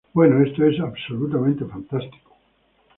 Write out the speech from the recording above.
Bueno, esto es absolutamente fantástico.